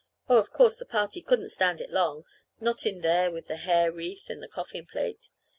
Oh, of course, the party couldn't stand it long not in there with the hair wreath and the coffin plate.